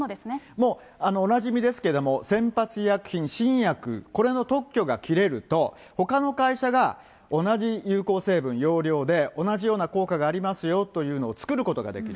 もうおなじみですけれども、先発医薬品、新薬、これの特許が切れると、ほかの会社が同じ有効成分、用量で同じような効果がありますよというのを作ることができる。